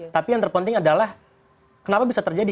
tapi yang terpenting adalah kenapa bisa terjadi